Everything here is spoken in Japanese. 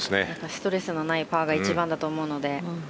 ストレスのないパーが一番だと思うので。